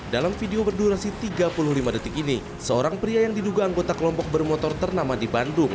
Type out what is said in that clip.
dalam video berdurasi tiga puluh lima detik ini seorang pria yang diduga anggota kelompok bermotor ternama di bandung